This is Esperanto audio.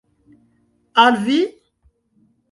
Al vi?